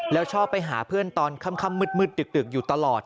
แล้วชอบไปหาเพื่อนตอนค่ำมืดดึกอยู่ตลอด